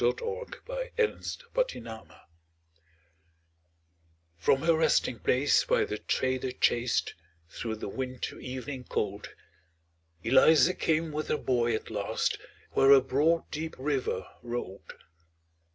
ELIZA CROSSING THE RIVER From her resting place by the trader chased, Through the winter evening cold, Eliza came with her boy at last, Where a broad deep river rolled.